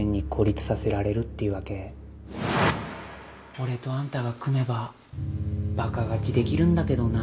俺とあんたが組めばバカ勝ちできるんだけどな